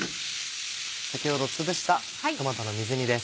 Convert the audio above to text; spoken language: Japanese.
先ほどつぶしたトマトの水煮です。